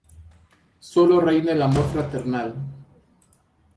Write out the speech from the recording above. Sólo reina el amor fraternal.